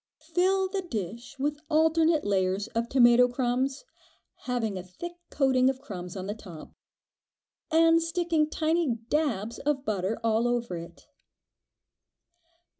Fill the dish with alternate layers of tomato crumbs, having a thick coating of crumbs on the top, and sticking tiny "dabs" of butter all over it.